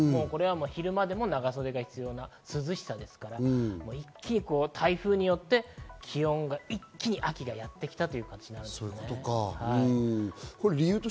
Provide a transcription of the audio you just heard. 昼間でも長袖が必要な涼しさですから、一気に台風によって秋がやってきたということですね。